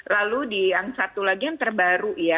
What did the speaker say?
lalu di yang satu lagi yang terbaru ya